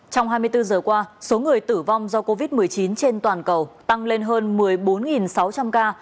trong hai mươi bốn giờ qua số người tử vong do covid một mươi chín trên toàn cầu tăng lên hơn một mươi bốn sáu trăm linh ca